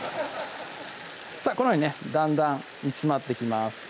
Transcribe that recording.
さぁこのようにねだんだん煮詰まってきます